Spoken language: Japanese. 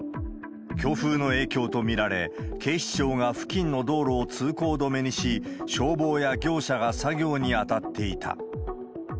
強風の影響と見られ、警視庁が付近の道路を通行止めにし、消防や業者が作業に当たっていた。